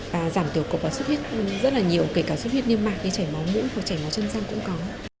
và giảm tiểu cục và xuất huyết rất là nhiều kể cả xuất huyết niêm mạc chảy máu mũ chảy máu chân răng cũng có